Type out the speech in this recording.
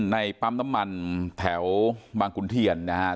ในปั๊มน้ำมันแถวบางขุนเทียนนะครับ